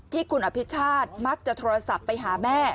ที่คุณอภิชาติมักจะโทรศัพท์ไปหาแม่